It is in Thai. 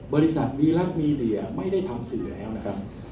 บริษัทวีรักมีเดียไม่ได้ทำสื่อแล้วนะครับ